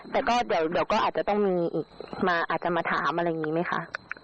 แต่ก็เดี๋ยวก็อาจจะต้องมีอีกมาอาจจะมาถามอะไรอย่างนี้ไหมคะ